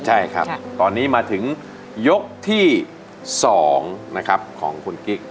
ใช่ครับตอนนี้มาถึงยกที่๒นะครับของคุณกิ๊ก